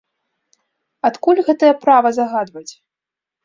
Адкуль гэтае права загадваць?